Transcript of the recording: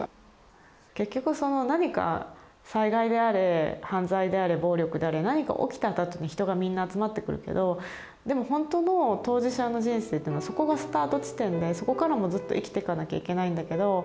結局その何か災害であれ犯罪であれ暴力であれ何か起きたあとに人がみんな集まってくるけどでもほんとの当事者の人生というのはそこがスタート地点でそこからもずっと生きていかなきゃいけないんだけど。